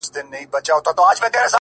o که په ژړا کي مصلحت وو، خندا څه ډول وه،